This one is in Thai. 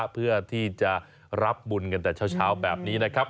เพื่อที่จะรับบุญกันแต่เช้าแบบนี้นะครับ